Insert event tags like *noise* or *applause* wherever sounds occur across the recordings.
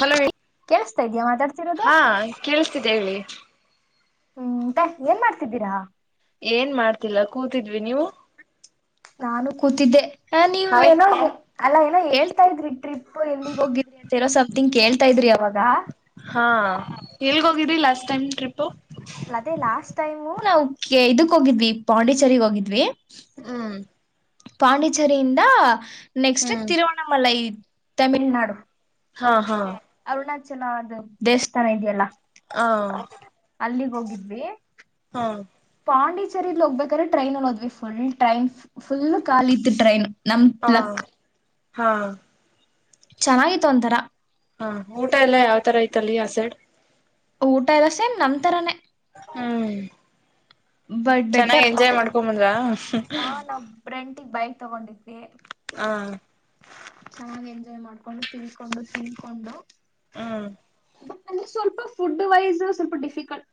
Hello ಹೇಳಿ ಕೇಳಿಸ್ತಾ ಇದ್ಯಾ ಮಾತಾಡ್ತಿರೋದು ಹಾ ಕೇೇಳಸ್ತಿದೆ ಹೇಳಿ ಹ್ಮ್ಂತ ಏನ್ ಮಾಡ್ತಿದ್ದೀರಾ ಏನ್ ಮಾಡ್ತಿಲ್ಲ ಕೂತಿದ್ವಿ ನೀವು ನಾನು ಕೂತಿದ್ದೆ ಹ ಹಾಯ್ ನೀವನ ಅಲ್ಲ ಏನೋ ಹೇಳ್ತಾ ಇದ್ರಿ ಟ್ರಿಪ್ ಎಲ್ಲಿಗೆ ಹೋಗಿದ್ರಿ ಅಂತ ನೋ ಸಮಥಿಂಗ್ ಕೇಳ್ತಾ ಇದ್ರಿ ಅವಾಗ ಹಾ ಎಲ್ಗೋಗಿದ್ರಿ ಲಾಸ್ಟ್ ಟೈಮ್ ಟ್ರಿಪ್ು ಲ್ಲದೇ ಲಾಸ್ಟ್ ಟೈಮ್ ನಾವು ಇದಕ್ ಹೋಗಿದ್ವಿ ಪಾಂಡಿಚೆರಿ ಹೋಗಿದ್ವಿ ಹ್ಮ್ ಪಾಂಡಿಚೆರಿಯಿಂದ ನೆಕ್ಸ್ಟ್ ಹ್ಮ್ ತಿರುವಣಮಲ ತಮಿಳ್ನಾಡು ಹಾ ಹಾ ಚಣಾಚಲ ಅದು ದೇವಸ್ಥಾನ ಇದೆಯಲ್ಲಾ ಹ ಅಲ್ಲಿಗೆ ಹೋಗಿದ್ವಿ ಹಾ ಪಾಂಡಿಚೇರಿಲ್ಲಿ ಹೋಗ್ಬೇಕಾದ್ರೆ ಟ್ರೈನ್ಲ್ ಹೋದ್ವಿ ಫುಲ್ ಟ್ರನ್ ಫುಲ್ ಕಖಾಲಿತ್ತು ಟ್ರನ್ ನಮ್ ಹ ಪ್ಲಕ್ ಹಾ ಚೆನ್ನಾಗಿತ್ತು ಒಂತರ ಹಾ ಊಟ ಎಲ್ಲಾ ಯಾವ್ ತರ ಐತಲ್ಲಿ ಆಸೆಡ್ ಊಟ ಎಲ್ಲ ಸೇಮ್ ನಮ್ತರಾನನೆ ಹ್ಮ್ ಬಟ್ ಚೆನ್ನಾಗಿ ಬೆಟರ್. ಎಂಜಾಯ್ ಮಾಡ್ಕೊಬಂದ್ರ ಹ ನಾವ್ ರೆಂಟಿಗ್ ಬೈಕ್ ತಗೊಂಡಿದ್ವಿ ಹಾ ಚೆನ್ನಾಗಿ ಎಂಜಾಯ್ ಮಾಡ್ಕೊಂಡು ತಿಳ್ಕೊಂಡು ತಿಳ್ಕೊಂಡು ಹ್ಮ್ ಸ್ವಲ್ಪ ಫುಡ್ ವೈಸ್ ಸ್ವಲ್ಪ ಡಿಫಿಕಲ್ಟ್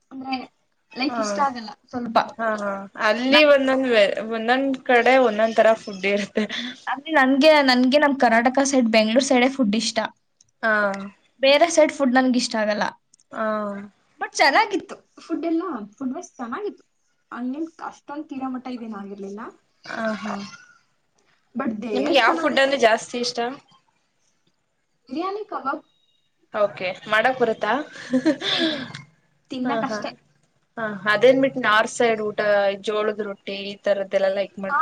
ಲೈಕ್ ಹಾ ಇಷ್ಟ ಆಗಲ್ಲ ಸ್ವಲ್ಪ ಹಾ ಹ ಅಲ್ಲಿ ನಮ್ದು ಒಂದೊಂದ ಬೇರೆ ಒಂದೊಂದ್ ಕಡೆ ಒಂದೊಂದ್ ತರ ಫುಡ್ ಇರುತ್ತೆ ಅೆ ನನ್ಗೆ ನನ್ಗೆ ನಮ್ Karnataka side Bengaluru side food ಇಷ್ಟ ಹಾ ಬೇರೆ ಸೈಡ್ ಫುಡ್ ನನಗೆ ಇಷ್ಟ ಆಗಲ್ಲ ಹ ಇತ್ತು ಫುಡ್ ಎಲ್ಲಾ ಫುಡ್ ವಸ್ ಚೆನ್ನಾಗಿತ್ತು ಹಂಗೆನ್ ಅಷ್ಟೊಂದ ತೀರಾ ಮಟ್ಟ ಇದೇನ ಆಗಿರ್ಲಿಲ್ಲ ಹ ಹಾ ಬಟ್ ನಿಮ್ಗೆ ಯಾವ ದೇವಸ್ಥಾನಕ್ ಫುಡ್ ಅಂದ್ರೆ ಜಾಸ್ತಿ ಇಷ್ಟ ಬಿರಿಯಾನಿ ಕಬಾಬ್ ಓಕೆ ಮಾಡ ಹೊರುತಾ ಇಲ್ಲ ಇಲ್ಲ ಹಾ ಹಾ ತಿನ್ನಕಷ್ಟೆ ಹ ಅದೇನ್ ಬಿಟ್ಟು ನಾರ್ತ್ ಸೈಡ್ ಊಟ ಜೋಳದ ರೊಟ್ಟಿ ಈ ತರದ್ ಹಾ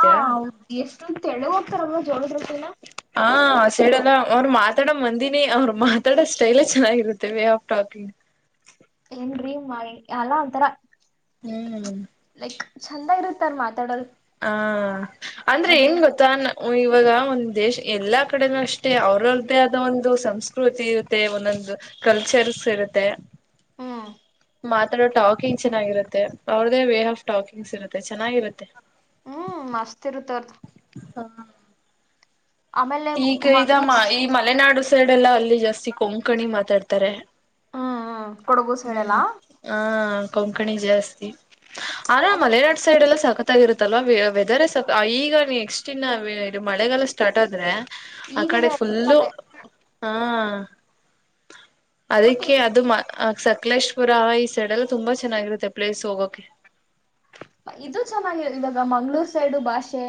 ಎಷ್ಟಳಗ *unintelligible* ಹೋಗ್ತಾರಲ್ಲ ಜೋಳದ ರೊಟ್ಟಿನ ಹ ಸೆಡಲ್ಲ ಅವ್ರ ಮಾತಾಡ ಮಂದಿನಿ ಅವ್ರ ಮಾತಾಡ ಸ್ಟಲ ಚೆನ್ನಾಗಿರುತ್ತೇವ ಾತಿ ಏನ್ ಮಾಡಿ ಅಲ್ಲ ಒಥರ ಹ್ಮ್ ಚಂದ ಇರುತ್ತಾರ್ ಮಾತಾಡಲ್ ಹ ಅಂದ್ರೆ ಏನ್ ಗೊತ್ತಾ ಇವಾಗ ಒಂದು ದೇಶ ಎಲ್ಲಾ ಕಡೆಗೂ ಅಷ್ಟೇ ಅವ್ರವ್ರ್ದೇ ಆದ ಒಂದು ಸಂಸ್ಕತಿ ಇರುತ್ತೆ ಒಂದೊಂದು ಕಲ್ಚರ್ ಇರುತ್ತೆ ಹ್ಮ್ ಮಾತಾಡೋ ಟಾಕಿಂಗ್ ಚೆನ್ನಾಗಿರುತ್ತೆ ಅವ್ರದೇ ವೇ ಆಫ್ ಟಾಕಿಂಗ್ಸ್ ಇರುತ್ತೆ ಚೆನ್ನಾಗಿರುತ್ತೆ ಹ್ಮ್ ಮಸ್ತ್ ಇರುತ್ ಅವರದು ಹ್ಮ *unintelligible* ಆಮೇಲೆ ಈಗ ಈ ಮಂಗ್ಳೂಸ್ *unintelligible* ಮಲೆನಾಡು ಸೈಡ್ ಎಲ್ಲ ಅಲ್ಲಿ ಜಾಸ್ತಿ ಕೊಂಕಣಿ ಮಾತಾಡ್ತಾರೆ ಹ್ಮ್ ಹ್ಮ್ ಕೊಡಗು ಸೈಡ್ ಹ್ಮ್ ಎಲ್ಲಾ ಹಾ ಕೊಂಕಣಿ ಜಾಸ್ತಿ ಆದ್ರೆ ಮತ್ ಮಲೆನಾಡು ಸೈಡ್ ಎಲ್ಲ ಸಾಕತ್ ಸತ್ತಾಗಿರುತ್ತಲ್ವಾ ವೆದರ ಈಗ ನೆಕ್ಸ್ಟ್ ಇನ್ನ ಇದು ಮಳೆಗಾಲ ಸ್ಟಾರ್ಟ್ ಆದ್ರೆ ಆ ಕಡೆ ಈಗಿನ ಫುಲ್ಲು ಜೂನಲ್ಲೇ ಹಾ ಮತ್ತೆ ಅದಕ್ಕೆ ಇದು ಅದು *unintelligible* ಆಸ ಶಾಕ್ಲೇಶ್ಪುರ ಈ ಸೈಡ್ ಎಲ್ಲ ತುಂಬಾ ಚೆನ್ನಾಗಿರುತ್ತೆ ಪ್ಲೇಸ್ ಹೋಗಕೆ ಇದು ಚೆನ್ನಾಗಿ ಇವಾಗ ಮಂಗಳೂರು ಸೈಡು ಭಾಷೆ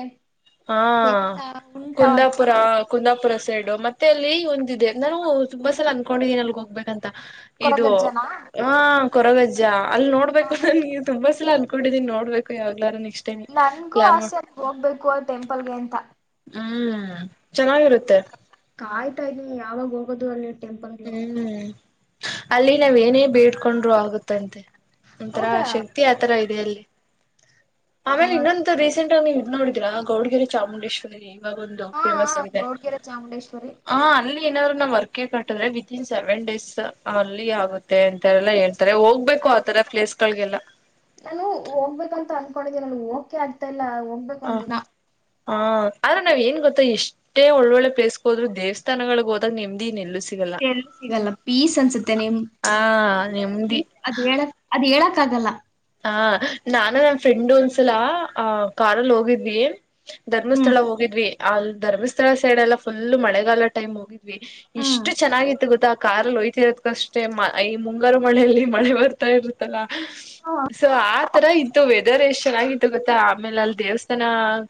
ಹಾ ಎಂತ ಉಂಟ ಕುಂದಾಪುರ ಕುಂದಾಪು *unintelligible* ಪುರ ಸೈಡ್ ಮತ್ತೆ ಅಲ್ಲಿ ಒಂದ ಇದೆ ನಾನು ತುಂಬಾ ಸಲ ಅಂಕೊಂಡಿದ್ದೀನಿ ಅಲ್ಲಿ ಹೋಗ್ಬೇಕಂತ್ತ ಇದು ಕೊರಗಜ್ಜನ ಹ ಕೊರಗಜ್ಜ ಅಲ್ಲಿ ನೋಡ್ಬೇಕು *unintelligible* ನಾನು ತುಂಬಾ ಸಲ *unintelligible* *unintelligible* ಕುಡಿದಿನಿ ನೋಡ್ಬೇಕು ಯಾವ್ಲಾರ ನೀ ನನ್ಗೂ ಆಸೆ ಹೋಗ್ಬೇಕು ಆ ಟೆಂಪಲ್ಗೆ ಅಂತ ಹ್ಮ್ ಚೆನ್ನಾಗಿರುತ್ತೆ ಕಾಯ್ತಾ ಇದ್ದೀನಿ ಯಾವಾಗ ಹೋಗೋದು ಅಲ್ಲಿ ಟೆಂಪಲ್ಗೆ ಹ್ಮ್ ಅಲ್ಲಿ ನಾವ ಏನೇ ಬೇಡ್ಕೊಂಡ್ರು ಆಗುತ್ತಂತೆ ಒಂಥರಾ ಹೌದಾ ಶಕ್ತಿ ಆತರ ಇದೆ ಅಲ್ಲಿ ಆಮೇಲೆ ನೋಡ ಇನ್ನೊಂದು ರೀಸೆಂಟ್ ಆಗಿ ನೀವು ಇದ್ ನೋಡಿದೀರಾ ಗೌಡಗೆರೆ ಚಾಮುಂಡೇಶ್ವರಿ ಇವಾಗ ಒಂದು ಹಾ ಫೇಮಸ್ ಆಗಿದೆ ಗೌಡ್ಗೆರೆ ಚಾಮುಂಡೇಶ್ವರಿ ಹ ಅಲ್ಲಿ ಏನಾದ್ರು ನ ಅರಕೆ ಕಟ್ಟಿದ್ರೆ ವಿತ್ನ್ ಸೆವೆನ್ ಡೇಸ್ ಅಲ್ಲಿ ಆಗುತ್ತೆ ಅಂತಲ್ಲ ಹ *unintelligible* *inaudible* ಹೋಗ್ಬೇಕು ಆತರ ಪ್ಲೇಸ್ಗಳಗೆಲ್ಲ *unintelligible* ಓಕೆ ಆಗ್ತಾ ಇಲ್ಲ *unintelligible* ಹೋಗ್ಬೇಕು ಹ ಒಂದಿನ ಹಾ ಆದ್ರೆ ನಾವ ಏನ್ ಗೊತ್ತ *unintelligible* *unintelligible* ಎಷ್ಟೇ ಒಳ್ಳೊಳ್ಳೆ ಪ್ಲೇಸ್ ಹೋದರು ದೇವಸ್ಥಾನಗಳಿಗೆ ಹೊದಾಗ ನಿಮ್ದಿ ಇನೆಲ್ಲು *unintelligible* ಸಲ್ *unintelligible* ಸಿಗಲ್ಲ ಪೀಸ್ ಅನ್ಸುತ್ತೆ ನಿಮ ಆ ನೆಮ್ಮದಿ *unintelligible* ಅದ ಹೇಳಕ್ ಅದ ಹೇಳಕ್ ಹೇಳಕ್ಕಾಗಲ್ಲ ಆ ನಾನು ನನ್ ಫ್ರೆಂಡ್ ಒಂದ್ಸಲ ಹ ಕಾರಲ್ಲಿ ಹೋಗಿದ್ವಿ ಹ್ಮ್ ಧರ್ಮಸ್ಥಳ ಹೋಗಿದ್ವಿ ಅಲ್ಲಿ ಧರ್ಮಸ್ಥಳ ಸೈಡ್ ಎಲ್ಲಾ ಫುಲ್ ಮಳೆಗಾಲ ಟೈಮ್ ಹೋಗಿದ್ವಿ ಇಷ್ಟು ಚೆನ್ನಾಗಿತ್ತು ಗೊತ್ತಾ ಆ ಕಾರಲ್ಲಿ *unintelligible* ಹೋಗ್ತಿರೋ *unintelligible* ಅಷ್ಟೇ ಈ ಮುಂಗಾರ ಮಳೆಯಲ್ಲಿ ಮಳೆ ಬರ್ತಾ ಇರುತ್ತಲ್ಲ ಹ ಸೊ ಆತರ ಇತ್ತು ವೆದರ್ ಎಷ್ಟ್ ಚೆನ್ನಾಗಿತ್ತು ಗೊತ್ತಾ ಆಮೇಲೆ ಅಲ್ಲಿ ದೇವಸ್ಥಾನ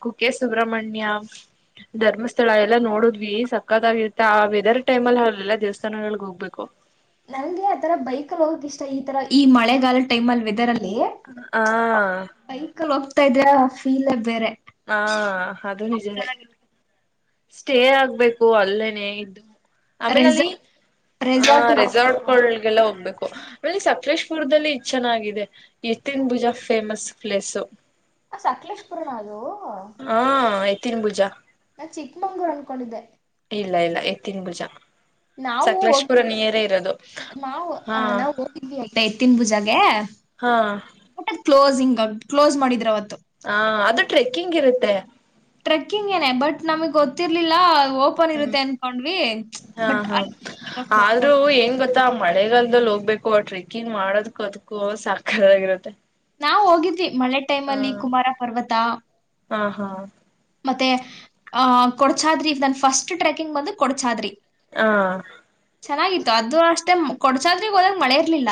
ಕುಕ್ಕೆ ಸುಬ್ರಹ್ಮಣ್ಯ ಸುಬ್ರಮಣ್ಯ *unintelligible* ಧರ್ಮಸ್ಥಳ ಎಲ್ಲಾ ನೋಡಿದ್ವಿ ಸಕ್ಕತಾಗಿತ್ತಾ ಆ ವೆದರ್ ಟೈಮ್ ಅಲ್ಲಿ ಅಲ್ಲೆಲ್ಲಾ ದೇವಸ್ಥಾನಗಳಿಗೆ ಹೋಗ್ಬೇಕು ನಂಗೆ ಆತರ ಬೈಕಲ್ಲಿ ಹೋಗಕ್ ಇಷ್ಟ ಈ ತರ ಈ ಮಳೆಗಾಲದ ಟೈಮ್ ಅಲ್ಲಿ ವೆದರ್ ಅಲ್ಲಿ ಹ *unintelligible* ಬೈಕ್ ಅಲ್ಲಿ ಹೋಗ್ತಾ ಇದ್ರೆ ಅ ಫೀಲ್ ಬೇರೆ ಹಾ ಅದು ನಿಜಾನೆ ಸ್ಟೇ ಆಗ್ಬೇಕು ಅಲ್ಲೇನೆ ಇದ್ದು ಆಮೇಲ ಅಲ್ಲಿ ರೆಸಾರ್ಟ್ ಆ ರೆಸಾರ್ಟ್ ಇದೆ ರೆಸಾರ್ಟಗಳಗೆಲ್ಲ ಹೋಗ್ಬೇಕು ಅಲ್ಲಿ ಸಕಲೇಶಪುರ ದಲ್ಲಿ ಇದು ಚೆನ್ನಾಗಿದೆ ಎತ್ತನ್ ಭುಜಾ ಫೇಮಸ್ ಪ್ಲೇಸು ಸಕಲೇಶಪುರನಾ ಅದು ಹಾ ಎತ್ತಿನಬುಜ ನಾ ಚಿಕ್ಕಮಂಗ್ಳೂರು ಅನ್ಕೊಂಡಿದ್ದೆ ಇಲ್ಲ ಇಲ್ಲ ಎತ್ತಿನ ಭುಜ ನಾವು ಸಕಲೇಶ್ ಪುರ ಹೋಗಿದ್ವಿ ನಿಯರ್ ಏ ಇರೋದು ನಾವು ಹಾ ನಾವು ಹೋಗಿದ್ವಿ ಆಯ್ತ ಎತ್ತಿನ ಭುಜಾ ಗೆ ಹಾ ಊಟ ಕ್ಲೋಸ್ ಹಂಗ *unintelligible* ಕ್ಲೋಸ್ ಮಾಡಿದ್ರು ಅವತ್ತು ಹಾ ಅದು ಟ್ರೆಕ್ಕಿಂಗ್ ಇರುತ್ತೆ ಟ್ರೆಕ್ಕಿಂಗ್ ಏನೆ ಬಟ್ ನಮಗ್ ಗೊತ್ತಿರ್ಲಿಲ್ಲ ಓಪನ್ ಹ್ಮ್ ಇರುತ್ತೆ ಅನ್ಕೊಂಡ್ವಿ ಹಾ ಬಟ್ ಅಲ್ಲಿ ಹೋದಾಗ ಕ್ಲೋಸ್ ಆಗ್ಬಿಟ್ಟಿತ್ತು ಮ ಮಳೆಗಾಲದದಲ್ಲಿ ಹೋಗ್ಬೇಕು ಟ್ರೆಕ್ಕಿಂಗ್ ಮಾಡೋದಕ್ಕು ಅದ್ಕ್ಕೂ ಸಕ್ಕತ್ ಆಗಿರುತ್ತೆ ನಾವು ಹೋಗಿದ್ವಿ ಮಳೆ ಟೈಮಲ್ಲಿ ಕುಮಾರ ಪರ್ವತ ಹಾ ಹಾ ಮತ್ತೆ ಅ್ ಕೊಡ್ಚಾದ್ರಿ ನನ್ ಫಸ್ಟ್ ಟ್ರೆಕಿಂಗ್ ಬಂದು ಕೊಡಚಾದ್ರಿ ಹ ಚೆನ್ನಾಗಿತ್ತು ಅದು ಅಷ್ಟೇ ಕೊಡ್ಚಾದ್ರಿ ಹೋದಾಗ ಮಳೆ ಇರ್ಲಿಲ್ಲ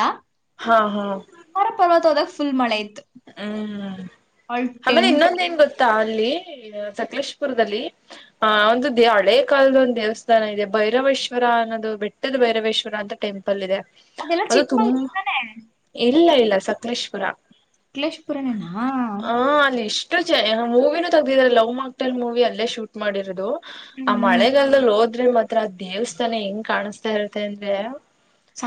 ಹಾ ಹಾ ಕುಮಾರ ಪರ್ವತ ಹೋದಾಗ ಫುಲ್ ಮಳೆ ಇತ್ತು ಹೂ ಅವಳ ಆಮೇಲೆ ಟೆಂಟ್ ಇನ್ನೊಂದ ನ್ ಗೊತ್ತಾ ಅಲ್ಲಿ ಸಕಲೇಶಪುರದಲ್ಲಿ ಆ ಒಂದು ದ ಹಳೆ ಕಾಲದ ಒಂದು ದೇವಸ್ಥಾನ ಇದೆ ಭೈರವೇಶ್ವರ ಅನ್ನೋದು ಬೆಟ್ಟದ ಬೈರವೇಶ್ವರ ಅಂತ ಟೆಂಪಲ್ ಇದೆ ಅದೆಲ್ಲ ಅದು ತುಂಬ ಚಿಕ್ಕಮಂಗ್ಳೂರ್ ತಾನೆ ಇಲ್ಲ ಇಲ್ಲ ಸಕಲೇಶಪುರ ಸಕಲೇಶಪುರನೆನಾ ಎಷ್ಟು ಚ ಮೂವಿನೂ ತೆಗ್ದಿದಾರೆ ಲವ್ ಮಕ್ಟೆಲ್ ಮೂವಿ ಅಲ್ಲೇ ಶೂಟ್ ಮಾಡಿರೋದು ಆ ಹ್ಮ್ ಮಳೆಗಾಲದಲ್ಲಿ ಹೋದ್ರೆ ಮಾತ್ರ ಆ ದೇವಸ್ಥಾನ ಹೆಂಗ್ ಕಾಣಸ್ತಾ ಇರತ್ತೆ ಅಂದ್ರೆ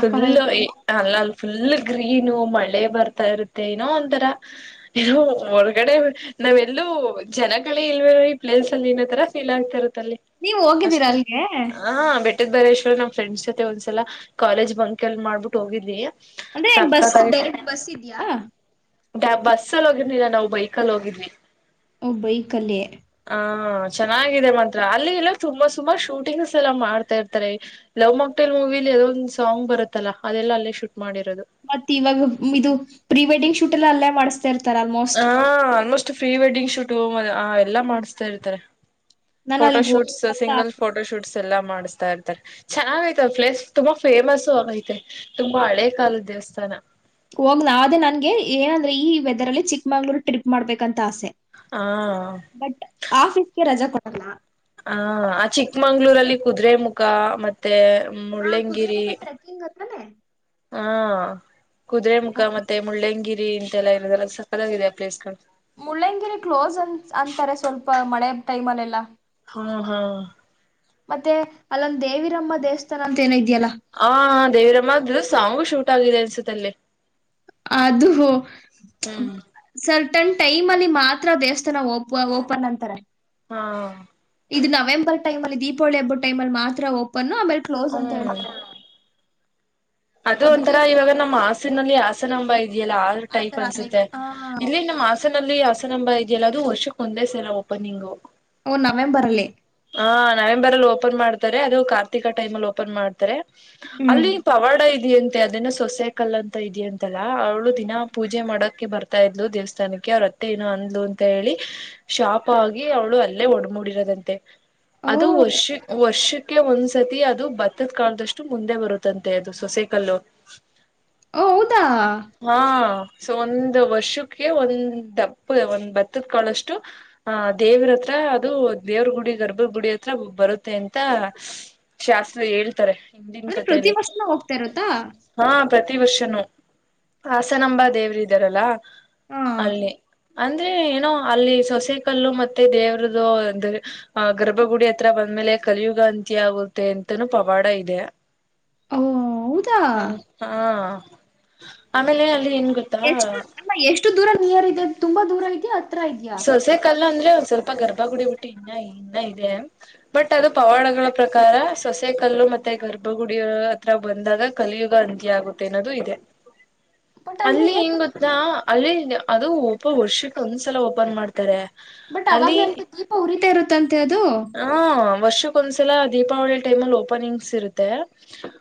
ಫುಲ್ ಅಲ್ಲ ಅಲ್ಲಿ ಫುಲ್ ಗ್ರೀನು ಮಳೆ ಬರ್ತಾ ಇರುತ್ತೆ ಏನೋ ಒಂತರಾ ಹೊರಗಡೆ ನಾವೆಲ್ಲೂ ಜನ ಗಳೇ ಇಲ್ವೇ ಈ ಪ್ಲೇಸ್ ಅಲ್ಲಿ ಏನತ್ತರ ಫೀಲ್ ಆಗ್ತ ಇರತ್ತಲ್ಲಿ ನೀವ್ ಹೋಗಿದ್ದೀರಾ ಅಷ್ಟೇ ಅಲ್ಗೆ ಹ ಬೆಟ್ಟ ಬೆಟ್ಟ ಭೈರವೇಶ್ವರ ನಮ್ಮ ಫ್ರೆಂಡ್ಸ್ ಜೊತೆ ಒಂದ್ಸಲ ಕಾಲೇಜ ಬಂಕ್ ಎಲ್ ಮಾಡ್ಬಿಟ್ಟು ಹೋಗಿದ್ವಿ ಅಂದ್ರೆ ಬಸ್ ಸಕ್ಕತ್ತಾಗಿತ್ತು ಡೈರೆಕ್ಟ್ ಬಸ್ ಇದಿಯಾ ಬಸ್ಸಲ್ಲಿ ಹೋಗಿದ್ನಿಲ್ಲ ನಾವು ಬೈಕಲ್ಲಿ ಹೋಗಿದ್ವಿ ಬೈ ಕಲ್ಲೇ ಹಾ ಚೆನ್ನಾಗಿದೆ ಮಂತ್ರ ಅಲ್ಲಿ ಎಲ್ಲ ತುಂಬಾ ಸುಮಾರ್ ಶೂಟಿಂಗ್ಸ್ ಎಲ್ಲ ಮಾಡ್ತಾ ಇರ್ತಾರೆ ಲವ್ ಮಾಕ್ಟೈಲ್ ಮೂವಿಲಿ ಅದೋ ಒಂದು ಸಾಂಗ್ ಬರುತ್ತಲ್ಲ ಅದೆಲ್ಲ ಅಲ್ಲೇ ಶೂಟ್ ಮಾಡಿರೋದು ಮತ್ತ ಇವಾಗ ಇದು ಪ್ರೀ ವೆಡ್ಡಿಂಗ್ ಶೂಟ್ ಎಲ್ಲ ಅಲ್ಲೇ ಮಾಡಿಸತಾ ಇರ್ತಾರ ಆಲ್ಮೋಸ್ಟ್ ಅಷ್ಟು ಪ್ರೀ ವೆಡ್ಡಿಂಗ್ ಶೂಟ್ ಎಲ್ಲ ಮಾಡ್ತಾ ಇರ್ತಾರೆ ನಾನ್ ಫೋಟೋ ಅಲ್ಗ್ ಶೂಟ್ಸ್ ಹೋಗ್ಬೇಕಂತ ಸಿಂಗಲ್ ಆಸೆ ಫೋಟೋ ಶೂಟ್ಸ್ ಎಲ್ಲಾ ಮಾಡಿಸ್ತಾ ಇರ್ತಾರೆ ಚೆನ್ನಾಗ ಐತೆ ಪ್ಲೇಸ್ ತುಂಬಾ ಫೇಮಸ್ು ಆಐತೆ ತುಂಬಾ ಹಳೆ ಕಾಲದ ದೇವಸ್ಥಾನ ಹೋಗ್ ನ ಅದೇ ನನ್ಗೆ ಏನಂದ್ರೆ ಈ ವೆದರ್ ಅಲ್ಲಿ ಚಿಕ್ಕಮಂಗ್ಳೂರು ಟ್ರಿಪ್ ಮಾಡ್ಬೇಕಂತ ಆಸೆ ಆ ಬಟ್ ಆಫೀಸ್ಗೆ ರಜಾ ಕೊಡಲ್ಲ ಹ ಆ ಚಿಕ್ಕಮಂಗ್ಳೂರಲ್ಲಿ ಕುದುರೆ ಮುಖ ಮತ್ತೆ ಹಾ ಮುಳ್ಳಂಗಿರಿ ಕುದುರೆಮುಖ ಟ್ರೆಕ್ಕಿಂಗ್ ಹತ್ರನೇ ಹಾ ಕುದುರೆಮುಖ ಹೋಗ್ಬೇಕು ಮತ್ತೆ ಮುಳ್ಳ್ಯಂಗಿರಿ ಲ್ಲ ಇರದ್ರಲ್ಲ ಸಕ್ಕತಾಗಿದೆ ಆ ಪ್ಲೇಸ್ ಗಳು ಮುಳ್ಳಂಗಿರಿ ಕ್ಲೋಸ್ ಅನ್ ಅಂತಾರೆ ಸ್ವಲ್ಪ ಮಳೆ ಟೈಮ್ ಅಲ್ಲ ಎಲ್ಲ ಹಾ ಹಾ ಮತ್ತೆ ಅಲ್ಲೊಂದಂದು ದೇವಿರಮ್ಮ ದೇವಸ್ಥಾನ ಅಂತ ಏನ ಹ ದೇವಿರಮ್ಮ ಸಾಂಗು ಶೂಟ್ ಆಗಿದೆ ಅನ್ಸುತ್ತ ಅಲ್ಲಿ ಅದು ಹ್ಮ್ ಸರ್ ನ್ ಟೈಮ್ ಅಲ್ಲಿ ಮಾತ್ರ ದೇವಸ್ಥಾನ ಓಪನ್ ಅಂತಾರೆ ಹಾ ಇದು ನವೆಂಬರ್ ಟೈಮ್ಲ್ಲಿ ದೀಪಾವಳಿ ಹಬ್ಬ ಟೈಮ ಅಲ್ಲಿ ಮಾತ್ರ ಓಪನ್ ಆಮೇಲೆ ಕ್ಲೋಸ್ ಅಂತ ಹ್ಮ್ ಹೇಳ್ತಾರೆ ಅದು ಒಂಥರ ಅದಕ್ಕೂ ಇವಾಗ ನಮ್ಮ್ ಹಸಿನಲ್ಲಿ ಆಸನಂಬ ಇ ಎಲ್ಲ ಆದ ಟೈಪ್ ಆತರ ಲೈಕ್ ಅನ್ಸುತ್ತೆ ಆ ಇಲ್ಲಿ ನಮ್ಮ್ ಹಸನಲ್ಲಿ ಹಸನಂಬ ಇದ ಎಲ್ಲದು ವರ್ಷಕ್ ಒಂದೇ ಸಲ ಓಪನಿಂಗು ಓ ನವೆಂಬರ್ ಅಲ್ಲಿ ಹ ನವೆಂಬರ್ ಅಲ್ಲಿ ಓಪನ್ ಮಾಡ್ತಾರೆ ಅದು ಕಾರ್ತಿಕ ಟೈಮ ಅಲ್ಲಿ ಓಪನ್ ಮಾಡ್ತಾರೆ ಹ್ಮ್ ಅಲ್ಲಿ ಪವಾಡ ಇದೆಯಂತೆ ಅದನ ಸೊಸೆಕಲ್ಲ ಅಂತ ಇದಯಂತಲ್ಲ ಅವ ದಿನಾ ಪೂಜೆ ಮಾಡಕ್ಕೆ ಬರ್ತಾರೆ ತಾ ಇದ್ಲು ದೇವಸ್ಥಾನಕ್ಕಅತ್ತೆ ಏನ ಅಂದ್ಲು ಅಂತ ಹೇಳಿ ಶಾಪ್ ಆಗಿ ಅವ್ಳು ಅಲ್ಲೇ ಒಡ್ಡಿರೋದ ಓ ಅದು ವರ್ಷ ವರ್ಷ ಕೆ ಒಂದ್ಸತಿ ಅದು ಬತ್ತದ ಕಾದಷ್ಟು ಮುಂದೆ ಬರುತ್ತಂತೆ ಅದು ಸೊಸೆ ಕಲ್ಲು ಓ ಹೌದಾ ಸೊ ಒಂದ್ ವರ್ಷಕ್ಕೆ ಒಂದ್ ಪ್ಪ ಒಂದ್ ಬತ್ತತ್ ಕಾಳಷ್ಟು ಆಹ ದೇವರ ಹತ್ರ ಅದು ದೇವ್ರ ಗುಡಿ ಗರ್ಭ ಗುಡಿ ಹತ್ರ ಬರುತ್ತೆ ಅಂತ ಶಾಸ್ತ್ ಹೇಳ್ತಾರೆ ತಿನ್ ದನ್ ಅಂದ್ರೆ ಪ್ರತಿ ಕತೆಯಲ್ಲಿ ವರ್ಷನೂ ಹೋಗ್ತಾ ಇರುತ್ತಾ ಹಾ ಪ್ರತಿ ವರ್ಷನುೂ ಹಾಸನಂಬ ದೇವ್ರ ಇದಾರಲ್ಲ ಹಾ ಅಲ್ಲಿ ಅಂದ್ರೆ ಏನೋ ಅಲ್ಲಿ ಸೊಸೆ ಕಲ್ಲು ಮತ್ತೆ ದೇವ್ರ್ದು ಅಂದ್ರ ಆ ಗರ್ಭಗುಡಿ ಹತ್ರ ಬಂದ್ಮೇಲೆ ಕಲಿಯುಗಾಂತಿ ಆಗುತ್ತೆ ಅಂತನೂ ಪವಾಡ ಇದೆ ಓ ಹೌದಾ ಹ ಹಾ ಆಮೇಲೆ ಅಲ್ಲಿ ಏನ್ ಗೊತ್ತಾ ಎಷ್ಟು ಅ ಎಷ್ಟು ದೂರ ನಿಯರ್ ಇದೆ ತುಂಬಾ ದೂರ ಐತೆ ಹತ್ರ ಇದ್ಯಾ ಸೊಸೆ ಕಲ್ಲು ಅಂದ್ರೆ ಒಂದ್ ಸ್ವಲ್ಪ ಗರ್ಮ ಹಬ್ಬ ಗುಡಿ ಬಿಟ್ಟ ಇನ್ನ ಇನ್ನ ಇದೆ ಬಟ್ ಅದು ಪವಾಡಗಳ ಪ್ರಕಾರ ಸೊಸೆ ಕಲ್ಲು ಮತ್ತೆ ಗರು ಹಬ್ಬ ಗುಡಿಯ ಹತ್ರ ಬಂದಾಗ ಕಲಿಯುಗ ಅಂತ್ಯ ಆಗುತ್ತೆ ಅನ್ನೋದು ಇದೆ ಬಟ್ ಅಂದ್ರೆ ಅಲ್ಲಿ ಏನ್ ಹೆಂಗ ಗೊತ್ತಾ ಅಲ್ಲಿ ಅದು ಒಬ್ಬ ವರ್ಷಕ್ಕೆ ಒಂದ್ಸಲ ಮಾಡ ಬಟ್ ಅವಾಗ್ಲೇ ಅಂತ ದೀಪ ಉರಿತಾ ಇರುತ್ತಂತೆ ಅದು ಅ ವರ್ಷಕ್ಕ ಒಂದ್ಸಲ ದೀಪಾವಳಿ ಟೈಮ್ಲ್ಓಪನಿಂಗ್ಸ್ ಇರುತ್ತೆ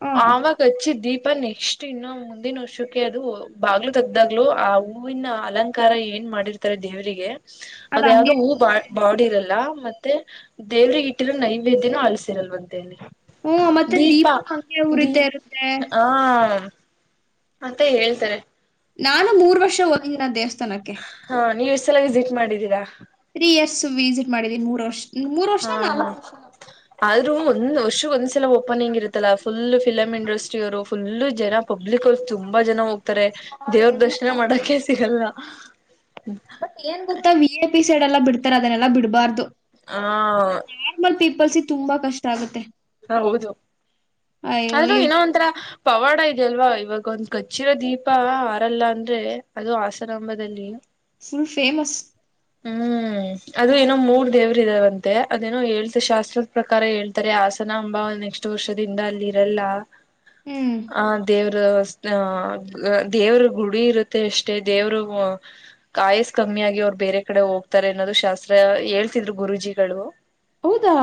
ಹ ಆವಾಗ ಹಚ್ಚಿ ದೀಪ ನೆಕ್ಸ್ಟ್ ಇನ್ನು ಮುಂದಿನ ವರ್ಷಕ್ಕೆ ಅದು ಬಾಗ್ಲು ತಗ್ದಾಗ್ಲು ಆ ಹೂವಿನ ಅಲಂಕಾರ ಏನು ಏನ್ ಮಾಡಿರ್ತಾರೆ ದೇವ್ರರಿಗೆ ಅದ ಅದ್ ಯಾವ್ದು ಹಂಗೆ ಹೂ ಬ ಇರುತ್ತಂತೆ ಬಾಡಿ ಇರಲ್ಲ ಮತ್ತೆ ದೇವ್ರಿಗೆ ಇಟ್ಟಿರೋ ನೈವೇದ್ಯನೂ ಆಳ್ಸಿರಲ್ವಂತ ಹ್ಮ ಮತ್ತೆ ದೀಪ ದೀಪನು ಹಂಗೆ ದ ಉರಿತಾ ಇರುತ್ತೆ ಹ ಮತ್ತೆ ಹೇಳ್ತಾರೆ ನಾನು ಮೂರ್ ವರ್ಷ ಹೋಗಿನ ದೇವಸ್ಥ ಹಾ ನೀವು ಇಷ್ಟಸಲ ವಿಸಿಟ್ ಮಾಡಿದ್ದೀರಾ ತ್ರೀ ಇಯರ್ಸ್ ವಿಸಿಟ್ ಮಾಡಿದೀ ಮೂರ್ ವರ್ಷ ಮೂರ್ ವರ್ಷ ಹಾ ಹಾ ನಾಲ್ಕು ವರ್ಷ ಆದ್ರೂ ಒಂದ್ ವರ್ಷ ಒಂದ್ಸಲ ಓಪನಿಂಗ್ ಇರುತ್ತಲ್ಲ ಫುಲ್ ಫಿಲಮ್ ಇಂಡಸ್ಟ್ರಿ ಅವರು ಫುಲ್ ಜನ ಪಬ್ಲಿಕ್ ಅವ್ರು ತುಂಬ ಜನ ಹೋ ತಾರೆ ದೇವ್ರ ಹೆವಿ ದರ್ಶನ ಟ್ರಾಫಿಕ್ ಮಾಡಕೆ ಸಿಗಲ್ಲ ಬಟ್ ಏನ್ ಗೊತ್ತಾ ವಿ ಎ ಪಿ ಸೈಡ್ ಎಲ್ಲಾ ಬಿಡ್ತಾರ ಅದನ್ನೆಲ್ಲಾ ಬಿಡ್ಬಾರ್ದು ಹಾ ಕಲ್ಸಿ ತುಂಬಾ ಕಷ್ಟ ಆಗುತ್ತೆ ಹೌದು ಅಯ್ಯೋ ಆದ್ರೂ ಇವ್ರು ಇನೋ ಒಂಥರ ಪವಾಡ ಇ ಅಲ್ವಾ ಇವಾಗ ಒಂದ್ ಕಚ್ಚಿರ ದೀಪ ಹಾರಲ್ಲ ಅಂದ್ರೆ ಅದು ಆಸರಾಮದಲ್ಲಿ ಫುಲ್ ಫೇಮಸ್ ಹ್ಮ್ ಅದು ಏನೋ ಮೂರ್ ದೇವರು ಇದಾವಂತೆ ಅದೇನೋ ಹೇಳ್ತ ಶಾಸ್ತ್ರದ ಪ್ರಕಾರ ಹೇಳ್ತಾರೆ ಆ ಪನಂಬ ನೆಕ್ಸ್ಟ್ ವರ್ಷದಿಂದ ಅಲ್ಲಿ ಇರಲ್ಲ ಹ್ಮ್ ಆ ದೇವ್ರ ದೇವ್ರ ಗುಡಿ ಇರುತ್ತೆ ಅಷ್ಟೇ ದೇವರು ಕಾಯಿಸ್ಕೋ ಕಮ್ಮಿಯಾಗಿ ಅವ್ರು ಬೇರೆ ಕಡೆ ಹೋಗ್ತಾರೆ ಅನ್ನೋದು ಶಾಸ್ತ್ರ ಹೇಳ್ತಿದ್ರು ಗುರುಜಿಗಳು ಹೌದಾ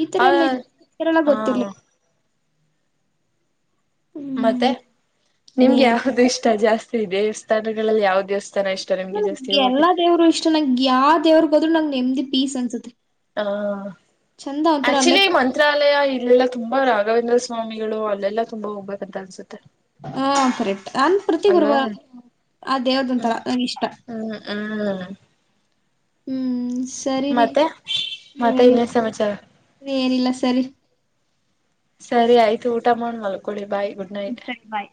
ಈ ತರ ಆ ಎಲ್ಲ ಇದ ಈತರೆ ಎಲ್ಲ ಹಾ ಗೊತ್ತಿರ್ಲಿಲ್ಲ ಮತ್ತೆ ಹ್ಮ್ ನಿಮ್ಗೆ ಇನ್ನೇನ್ ಯಾವ್ದು ಇಷ್ಟ ಜಾಸ್ತಿ ದೇವಸ್ಥಾನಗಳಲ್ಲಿ ಯಾವ್ದೇ ದೇವಸ್ ನನಗೆ ಎಲ್ಲಾ ದೇವ್ರು ಇಷ್ಟ ನಂ ಯಾವ ದೇವ್ರಗ್ ಹೋದ್ರು ನಂನೆಮ್ದಿ ಪೀಸ್ ಅನ್ಸುತ್ತೆ ಹ ಚಂದ ಒಂತರ ಅಲ್ಲೇ ಆಕ್ಚುಲಿ ಮಂತ್ರಾಲಯ ಇಲ್ಲ ತುಂಬಾ ರಾಘವೇಂದ್ರ ಸ್ವಾಮಿಗಳು ಅಲ್ಲೆಲ್ಲ ತುಂಬಾ ಹೋಗ್ಬಬೇಕು ಅಂತ ಅನ್ಸುತ್ತೆ ಹ್ಮ ಸರಿ ನನ್ ಪ್ರತಿ ಗುರುವ ಹ್ಮ್ ಆ ದೇವ್ರದಂತರ ಹ್ಮ್ ನನ್ ಇಷ್ಟ ಹ್ಮ್ ಹ್ಮ್ ಹ್ಮ್ ಸರಿ ರೀ ಮತ್ತೆ ಮತ್ತೆ ನೀನಿಲ್ಲ ಇನ್ನೇನ್ ಸಮಾಚಾರ ಏನಿಲ್ಲ ಸರಿ ಸರಿ ಆಯ್ತು ಊಟ ಮಾಡ್ ಮಲ್ಕೊಳ್ಳಿ ಬಾಯ್ು ಹ ಸರಿ ಬಾಯ್